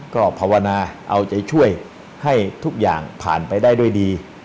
ก็ภาวนาเอาใจช่วยให้ทุกอย่างผ่านไปได้ด้วยดี